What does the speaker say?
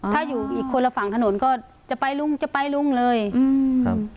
ถ้าอยู่อีกคนละฝั่งถนนก็จะไปลุงจะไปลุงเลยอืมครับ